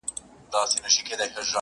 o په هر چا کي ښه او بد سته.